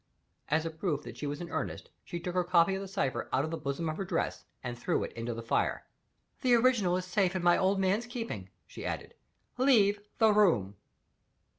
As a proof that she was in earnest she took her copy of the cipher out of the bosom of her dress, and threw it into the fire. "The original is safe in my old man's keeping," she added. "Leave the room."